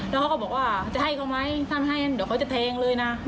แล้วเขาก็บอกว่าจะให้เขาไหมถ้าไม่ให้อย่างนั้นเดี๋ยวเขาจะแทงเลยนะ